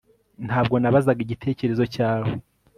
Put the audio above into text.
Ntabwo nabazaga igitekerezo cyawe